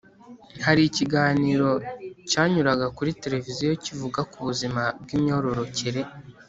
hari ikiganiro cyanyuraga kuri televiziyo kivuga ku buzima bw’imyororokere,